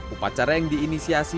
upacara yang diinisiasi